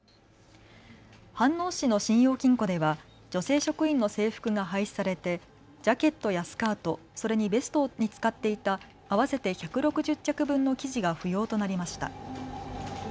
飯能市の信用金庫では女性職員の制服が廃止されてジャケットやスカートそれにベストに使っていた合わせて１６０着分の生地が不要となりました。